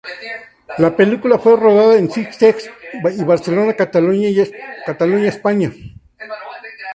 La película fue rodada en Sitges y Barcelona, Cataluña, España.